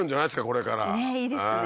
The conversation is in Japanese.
これからねえいいですね